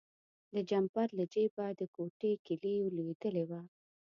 د جمپر له جیبه د کوټې کیلي لویدلې وه.